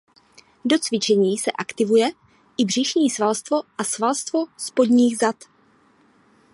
Do cvičení se aktivuje i břišní svalstvo a svalstvo spodních zad.